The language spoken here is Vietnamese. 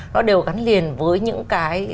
nó đều gắn liền với những cái